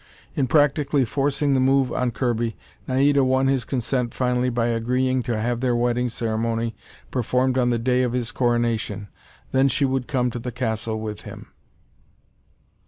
In practically forcing the move on Kirby, Naida won his consent finally by agreeing to have their wedding ceremony performed on the day of his coronation; then she would come to the castle with him.